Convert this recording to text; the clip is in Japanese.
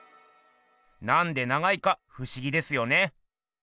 なんで長いかふしぎですよね。